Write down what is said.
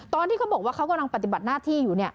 ตอนที่เขาบอกว่าเขากำลังปฏิบัติหน้าที่อยู่